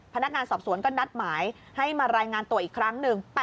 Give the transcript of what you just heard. พนักงานสอบสวนก็นัดหมายให้มารายงานตัวอีกครั้งหนึ่ง